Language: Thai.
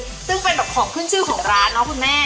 ซึ่งเป็นแบบของขึ้นชื่อของร้านเนาะคุณแม่